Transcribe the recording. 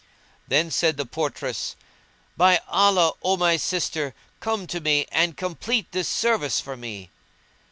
Then said the portress "By Allah, O my sister, come to me and complete this service for me."